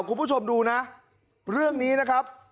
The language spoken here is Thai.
คุณผู้ชมดูนะเรื่องนี้นะครับ